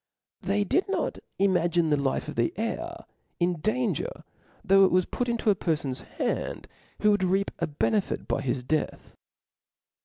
They did not imagine the life of the heir in danger, though it was put into a perfon's hands who would reap a benefit by his death.